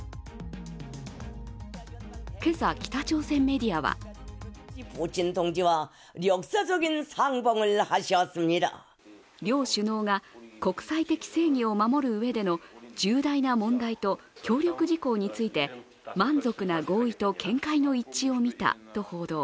今朝、北朝鮮メディアは両首脳が国際的正義を守るうえでの重大な問題と協力事項について満足な合意と見解の一致をみたと報道。